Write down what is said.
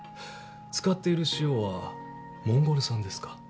使っている塩はモンゴル産ですか？